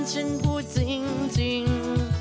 ฉันพูดจริง